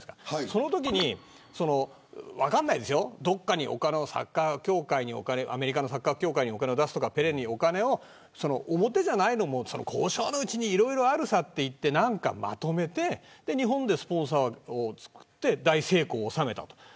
そのときに、どこかにお金をサッカー協会にアメリカのサッカー協会にお金を出すとかペレにお金を、表じゃないのも交渉のうちにいろいろあるさってまとめて日本でスポンサー枠を作って大成功を収めたという。